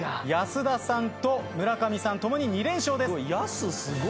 安田さんと村上さん共に２連勝です。